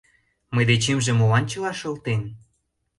«Мый дечемже молан чыла шылтен?